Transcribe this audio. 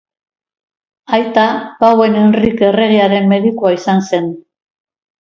Aita Pauen Henrike erregearen medikua izan zen.